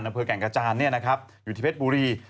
อำเภอกแก่งกระจานเนี่ยนะครับอยู่ที่เพชรบุรี